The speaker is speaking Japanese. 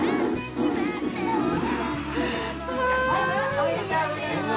・おめでとうございます。